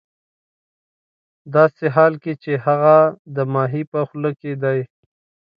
ه داسې حال کې چې هغه د ماهي په خوله کې دی